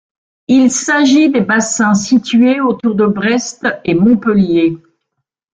Il s'agit des bassins situés autour de Brest et Montpellier.